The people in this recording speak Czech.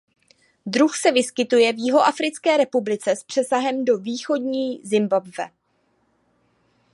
Druh se vyskytuje v Jihoafrické republice s přesahem do východního Zimbabwe.